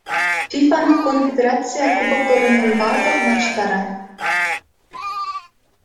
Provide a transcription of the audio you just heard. ФИФАнын Конфедерация кубокторунун бардык матчтары